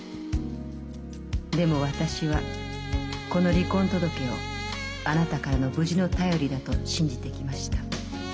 でも私はこの離婚届をあなたからの無事の便りだと信じてきました。